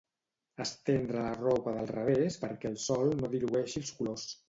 Estendre la roba del revés perquè el Sol no dilueixi els colors